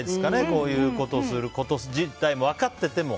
こういうことをすること自体分かっていても。